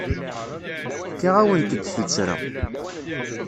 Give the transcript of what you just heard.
Fkiɣ-awent-d tuttra.